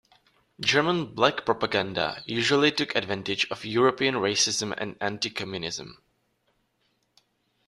German black propaganda usually took advantage of European racism and anti-Communism.